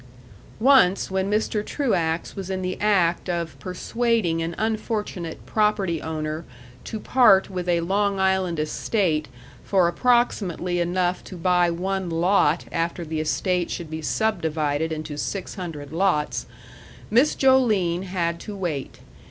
Once, when Mr. Truax was in the act of persuading an unfortunate property owner to part with a Long Island estate for approximately enough to buy one lot after the estate should be subdivided into six hundred lots, Miss Joline had to wait.